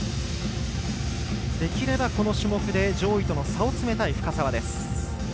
できれば、この種目で上位との差を詰めたい深沢です。